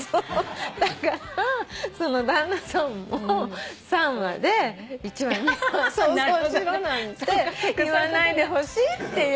だから旦那さんも３話で１話２話想像しろなんて言わないでほしいっていう。